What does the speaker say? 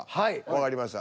わかりました。